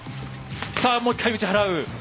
さあもう一回打ち払う！